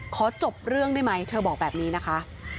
ขอจบเรื่องได้ไหมเธอบอกแบบนี้นะคะ